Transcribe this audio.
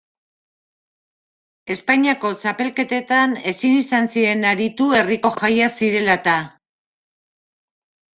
Espainiako txapelketetan ezin izan ziren aritu herriko jaiak zirela eta.